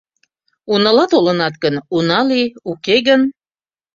Унала толынат гын, уна лий, уке гын...